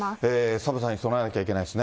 寒さに備えなきゃいけないですね。